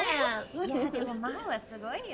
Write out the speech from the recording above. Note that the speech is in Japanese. ・いやでも真帆はすごいよ。